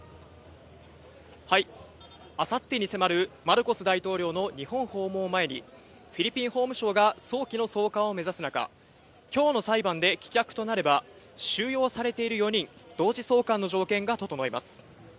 明後日に迫るマルコス大統領の日本訪問を前にフィリピン法務省が早期の送還を目指す中、今日の裁判で棄却となれば、収容されている４人同時送還の条件が整います。